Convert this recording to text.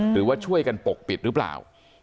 หรือว่าช่วยกันปกปิดหรือเปล่า